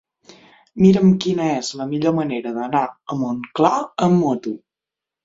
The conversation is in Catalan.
Mira'm quina és la millor manera d'anar a Montclar amb moto.